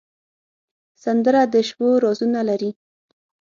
سندره د شپو رازونه لري